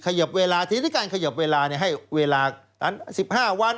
ขยับเวลาทีนี้การขยับเวลาเนี่ยให้เวลากันสิบห้าวัน